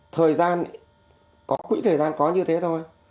thời gian quỹ thời gian có như thế thôi